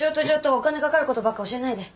お金かかることばっか教えないで。